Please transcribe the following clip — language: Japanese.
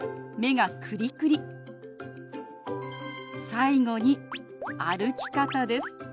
最後に歩き方です。